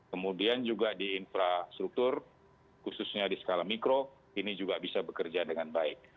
kemudian juga di infrastruktur khususnya di skala mikro ini juga bisa bekerja dengan baik